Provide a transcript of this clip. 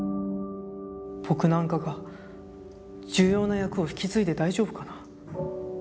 僕なんかが重要な役を引き継いで大丈夫かな。